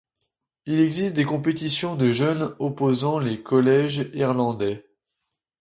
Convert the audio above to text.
Il existe des compétitions de jeunes opposant les Colleges irlandais.